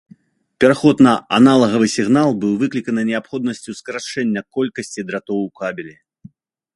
Пераход на аналагавы сігнал быў выкліканы неабходнасцю скарачэння колькасці дратоў у кабелі.